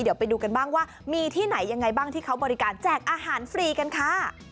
เดี๋ยวไปดูกันบ้างว่ามีที่ไหนยังไงบ้างที่เขาบริการแจกอาหารฟรีกันค่ะ